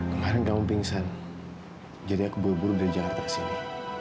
kemarin kamu pingsan jadi aku buru buru belajar di sini